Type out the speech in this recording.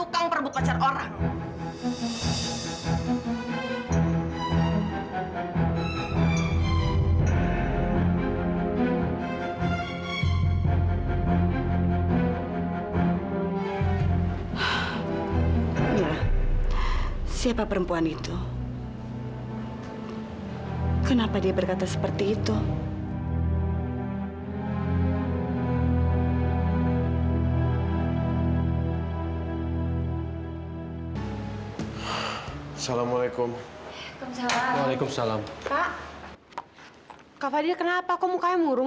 kamu kenapa ditanya diam aja